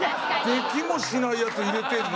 できもしないやつ入れてるの？